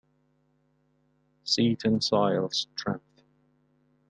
See tensile strength.